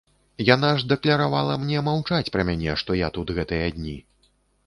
Яна ж дакляравала мне маўчаць пра мяне, што я тут гэтыя дні.